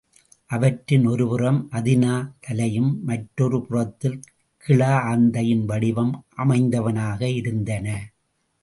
அவற்றின் ஒருபுறம் அதினா தலையும், மற்றொரு புறத்தில் கிழஆந்தையின் வடிவும் அமைந்தனவாக இருந்தன.